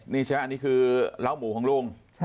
นี่ชะคือเลาหมูของลุง